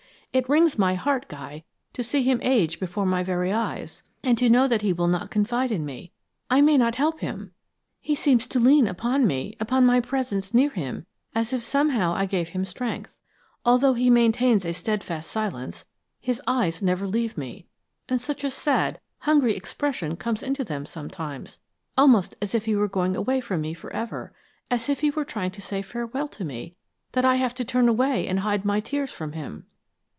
It wrings my heart, Guy, to see him age before my very eyes, and to know that he will not confide in me, I may not help him! He seems to lean upon me, upon my presence near him, as if somehow I gave him strength. Although he maintains a steadfast silence, his eyes never leave me, and such a sad, hungry expression comes into them sometimes, almost as if he were going away from me forever, as if he were trying to say farewell to me, that I have to turn away to hide my tears from him."